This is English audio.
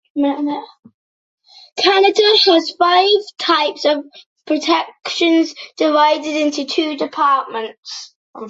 Canada has five types of protections divided into two departments.